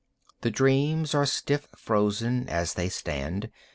The dreams are stiff frozen as they stand.